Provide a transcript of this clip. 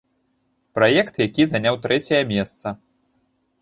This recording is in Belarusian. Праект, які заняў трэцяе месца.